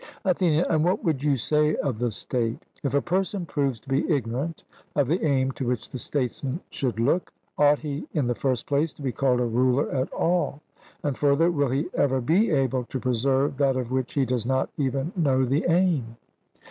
ATHENIAN: And what would you say of the state? If a person proves to be ignorant of the aim to which the statesman should look, ought he, in the first place, to be called a ruler at all; and further, will he ever be able to preserve that of which he does not even know the aim?